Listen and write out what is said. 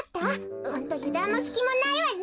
ホントゆだんもすきもないわね。